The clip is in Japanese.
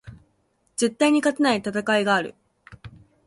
絶対に勝てない戦いがある